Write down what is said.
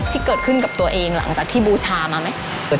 ที่เกิดขึ้นกับตัวเองหลังจากที่บูชามาไหม